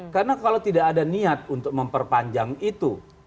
karena kalau tidak ada niat untuk memperpanjang itu